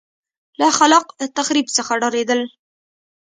له خلاق تخریب څخه ډارېدل.